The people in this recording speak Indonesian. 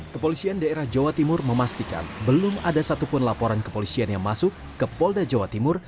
kepolisian daerah jawa timur memastikan belum ada satupun laporan kepolisian yang masuk ke polda jawa timur